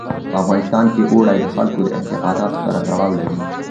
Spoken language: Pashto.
په افغانستان کې اوړي د خلکو د اعتقاداتو سره تړاو لري.